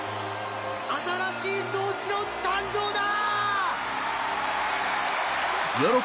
・新しい宗師の誕生だ！